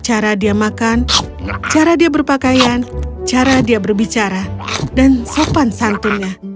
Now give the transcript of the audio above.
cara dia makan cara dia berpakaian cara dia berbicara dan sopan santunnya